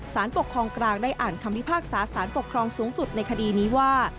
สารปกครองกลางได้อ่านคำพิพากษาสารปกครองสูงสุดในคดีนี้ว่า